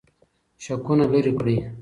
شکونه لرې کړئ.